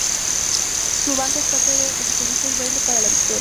Su banca es parte del oficialista Frente para la Victoria.